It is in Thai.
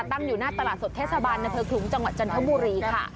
ตั้งอยู่หน้าตลาดสดเทศบาลนเภคลุงจังหวัดจันทบุรีค่ะ